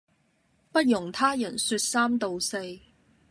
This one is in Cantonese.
不容他人說三道四